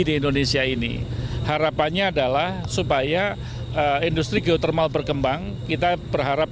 di indonesia ini harapannya adalah supaya industri geotermal berkembang kita berharap